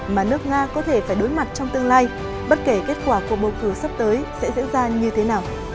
mà nước nga có thể phải đối mặt trong tương lai bất kể kết quả của bầu cử sắp tới sẽ diễn ra như thế nào